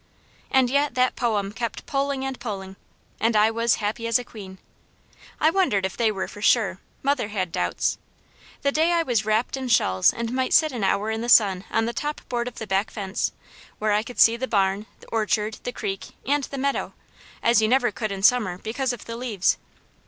And yet that poem kept pulling and pulling, and I was happy as a queen I wondered if they were for sure; mother had doubts the day I was wrapped in shawls and might sit an hour in the sun on the top board of the back fence, where I could see the barn, orchard, the creek and the meadow, as you never could in summer because of the leaves.